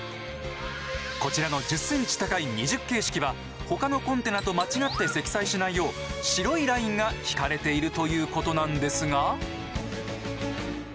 こちらの１０センチ高い２０形式は他のコンテナと間違って積載しないよう白いラインが引かれているということなんですが。